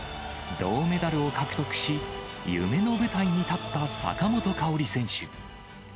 銅メダルを獲得し、夢の舞台に立った坂本花織選手。